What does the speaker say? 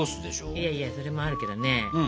いやいやそれもあるけどね。